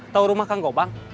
tahu rumah kang gobang